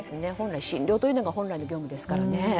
診療というのが本来の業務ですからね。